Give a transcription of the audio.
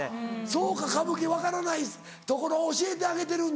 そうか歌舞伎分からないところ教えてあげてるんだ。